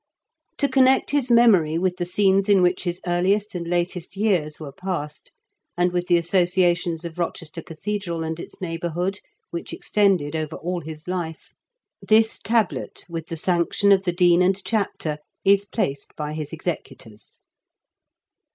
• to connect his memory with the scenes in which his earliest and latest years WERE passed, AND WITH THE ASSOCIATIONS OP ROCHESTER CATHEDRAL AND ITS NEIGHBOURHOOD, WHICH EXTENDED OVER ALL HIS LIPE, ^kig tablet, WITH THE SANCTION OP THE DEAN AND CHAPTER, IS PLACED BY HIS EXECUTORS.